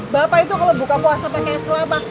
bapak itu kalau buka puasa pakai es kelapa